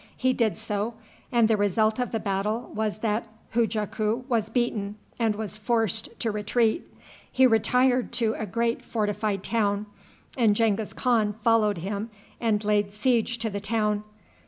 He did so; and the result of the battle was that Hujaku was beaten and was forced to retreat. He retired to a great fortified town, and Genghis Khan followed him and laid siege to the town.